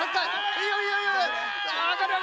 いやいやいや！